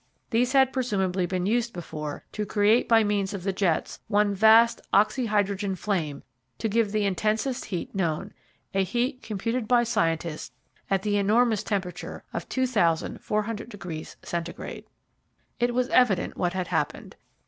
These had presumably been used before to create by means of the jets one vast oxyhydrogen flame to give the intensest heat known, a heat computed by scientists at the enormous temperature of 2,400 deg. Centigrade. It was evident what had happened.